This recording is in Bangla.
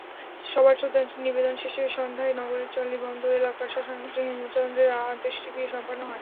সবার শ্রদ্ধা নিবেদন শেষে সন্ধ্যায় নগরের চালিবন্দর এলাকার শ্মশানঘাটে হেমচন্দ্রের অন্ত্যেষ্টিক্রিয়া সম্পন্ন হয়।